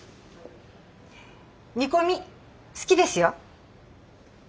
煮込み好きですよ。